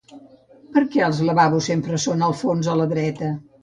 Per què els lavabos sempre són al fons a la dreta?